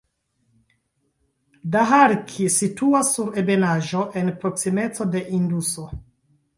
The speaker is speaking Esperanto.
Daharki situas sur ebenaĵo en proksimeco de Induso.